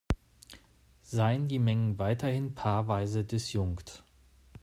Seien die Mengen weiterhin paarweise disjunkt.